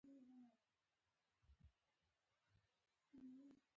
زه د خپل ځان څخه راضي یم.